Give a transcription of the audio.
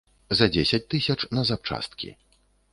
За дзесяць тысяч, на запчасткі.